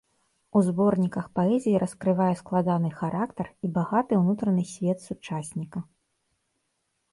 У зборніках паэзіі раскрывае складаны характар і багаты ўнутраны свет сучасніка.